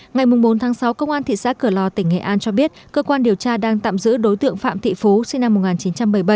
ngày bốn sáu công an thị xã cửa lò tỉnh nghệ an cho biết cơ quan điều tra đang tạm giữ đối tượng phạm thị phú sinh năm một nghìn chín trăm bảy mươi bảy